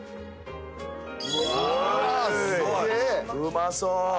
うまそう。